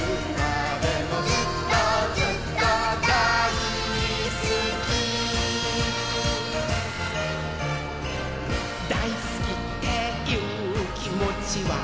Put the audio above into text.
「ずっとずっとだいすき」「だいすきっていうきもちは」